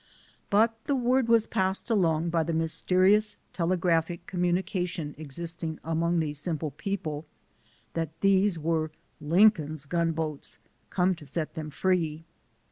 But the word was passed along by the mysterious telegraphic communication existing among these simple people, that these were " Lincoln's gun boats come to set them free."